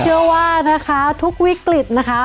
เชื่อว่านะคะทุกวิกฤตนะคะ